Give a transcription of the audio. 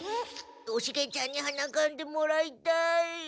おシゲちゃんにはなかんでもらいたい。